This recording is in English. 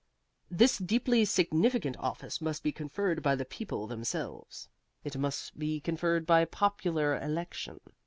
This deeply significant office must be conferred by the people themselves. It must be conferred by popular election.